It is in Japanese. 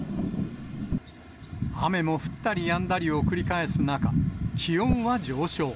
雨も降ったりやんだりを繰り返す中、気温は上昇。